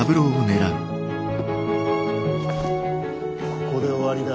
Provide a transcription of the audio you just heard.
ここで終わりだ。